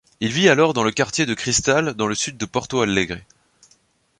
Il vit alors dans le quartier de Cristal dans le sud de Porto Alegre.